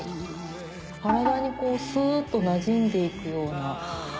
体にすっとなじんで行くような。